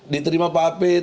diterima pak apit